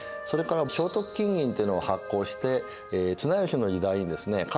それから正徳金銀というのを発行して綱吉の時代にですね